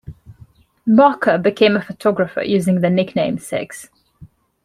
Barker became a photographer, using the nickname 'Six'.